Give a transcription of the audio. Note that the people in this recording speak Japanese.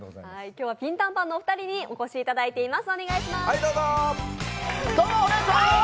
今日はピンタンパンのお二人にお越しいただいております。